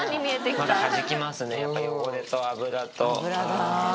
まだはじきますね、やっぱり、汚れと脂と。